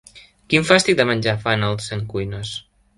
Quin fàstic de menjar fan al Centcuines?